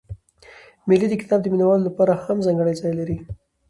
مېلې د کتاب د مینه والو له پاره هم ځانګړى ځای لري.